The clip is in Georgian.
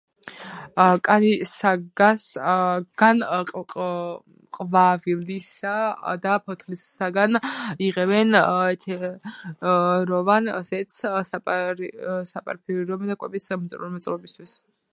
კანისაგან, ყვავილისა და ფოთლისაგან იღებენ ეთეროვან ზეთს საპარფიუმერიო და კვების მრეწველობისათვის.